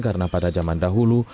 karena pada zaman dahulu